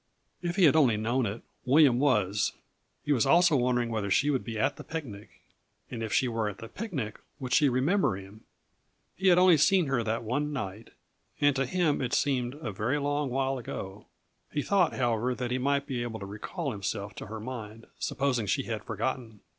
If he had only known it, William was; he was also wondering whether she would be at the picnic. And if she were at the picnic, would she remember him? He had only seen her that one night and to him it seemed a very long while ago. He thought, however, that he might be able to recall himself to her mind supposing she had forgotten.